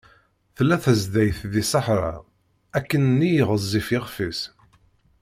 Tella tezdayt di sseḥra, akken‑nni γezzif yixef-is.